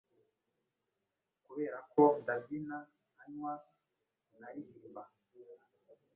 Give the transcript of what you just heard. Kuberako ndabyina, nkanywa, nkaririmba,